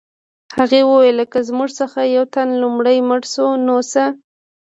هغې وویل که زموږ څخه یو تن لومړی مړ شو نو څه